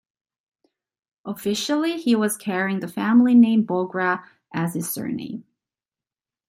Officially he was carrying the family name Bogra as his surname.